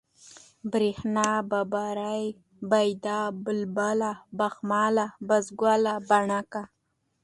برېښنا ، ببرۍ ، بېديا ، بلبله ، بخمله ، بسوگله ، بڼکه